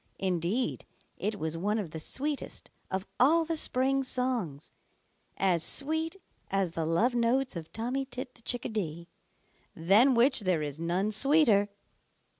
Indeed it was one of the sweetest of all the spring songs, as sweet as the love notes of Tommy Tit the Chickadee, than which there is none sweeter.